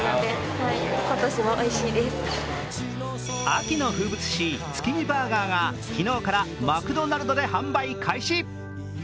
秋の風物詩、月見バーガーが昨日からマクドナルドで販売開始。